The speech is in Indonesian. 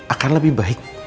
akan lebih baik